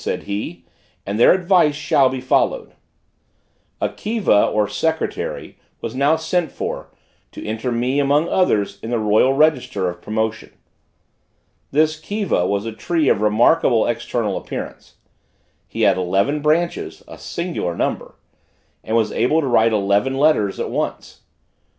said he; "and their advice shall be followed." A Kiva, or secretary, was now sent for, to enter me, among others, in the royal register of promotion. This Kiva was a tree of remarkable external appearance; he had eleven branches a singular number and was able to write eleven letters at once.